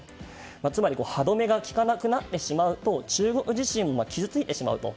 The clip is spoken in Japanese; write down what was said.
つまり、歯止めが利かなくなってしまうと中国自身も傷ついてしまうと。